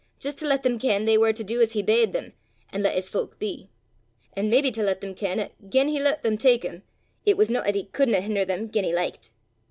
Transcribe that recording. jist to lat them ken they war to du as he bade them, an' lat his fowk be; an' maybe to lat them ken 'at gien he loot them tak him, it was no 'at he couldna hin'er them gien he likit.